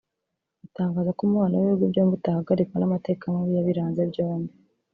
batangaza ko umubano w’ibihugu byombi utahagarikwa n’amateka mabi yabiranze byombi